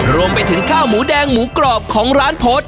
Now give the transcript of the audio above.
รวมไปถึงข้าวหมูแดงหมูกรอบของร้านโพสต์